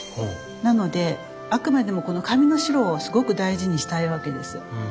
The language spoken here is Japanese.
なのであくまでもこの紙の白をすごく大事にしたいわけですよ。